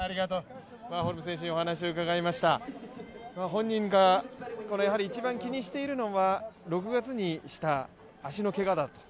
本人が一番気にしているのは６月にした足のけがだと。